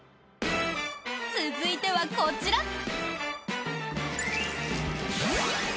続いては、こちら。